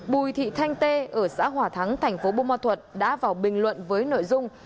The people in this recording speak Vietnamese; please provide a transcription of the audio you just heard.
bùi thị thanh tê ở xã hòa thắng thành phố bô ma thuật đã vào bình luận với nội dung